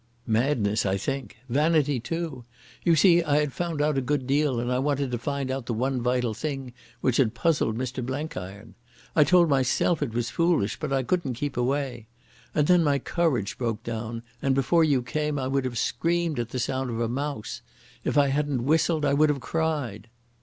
"Madness, I think. Vanity, too. You see I had found out a good deal, and I wanted to find out the one vital thing which had puzzled Mr Blenkiron. I told myself it was foolish, but I couldn't keep away. And then my courage broke down, and before you came I would have screamed at the sound of a mouse. If I hadn't whistled I would have cried."